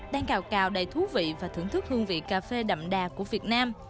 đang cào cào đầy thú vị và thưởng thức hương vị cà phê đậm đà của việt nam